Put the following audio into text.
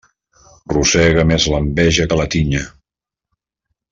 Rosega més l'enveja que la tinya.